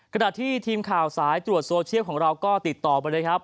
ขณะที่ทีมข่าวสายตรวจโซเชียลของเราก็ติดต่อไปเลยครับ